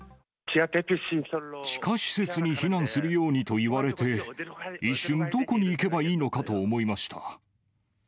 地下施設に避難するようにと言われて、一瞬、どこに行けばいいのかと思いました。